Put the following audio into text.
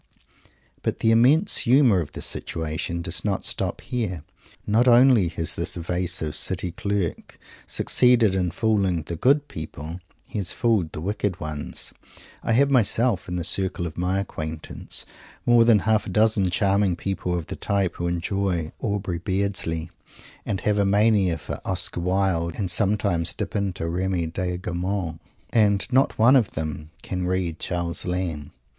But the immense humour of the situation does not stop here. Not only has this evasive City Clerk succeeded in fooling the "good people;" he has fooled the "wicked ones." I have myself in the circle of my acquaintance more than half a dozen charming people, of the type who enjoy Aubrey Beardsley, and have a mania for Oscar Wilde, and sometimes dip into Remy de Gourmont, and not one of them "can read" Charles Lamb.